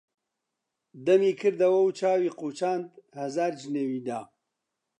دەمی کردوە و چاوی قوچاند، هەزار جنێوی دا: